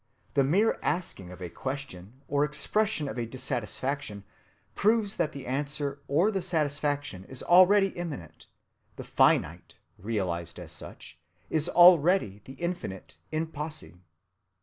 The mere asking of a question or expression of a dissatisfaction proves that the answer or the satisfaction is already imminent; the finite, realized as such, is already the infinite in posse.